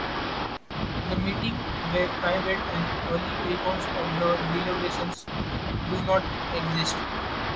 The meetings were private, and early records of the deliberations do not exist.